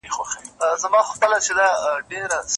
پر قدم د پخوانیو اوسنی پکښی پیدا کړي